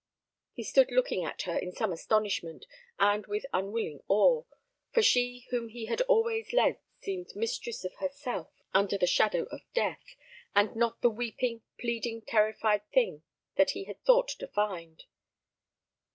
He stood looking at her in some astonishment and with unwilling awe, for she whom he had always led seemed mistress of herself under the shadow of death, and not the weeping, pleading, terrified thing that he had thought to find.